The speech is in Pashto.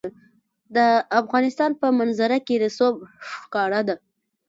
د افغانستان په منظره کې رسوب ښکاره ده.